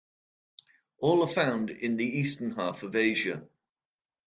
All are found in the eastern half of Asia.